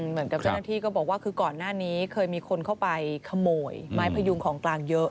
เหมือนกับเจ้าหน้าที่ก็บอกว่าคือก่อนหน้านี้เคยมีคนเข้าไปขโมยไม้พยุงของกลางเยอะ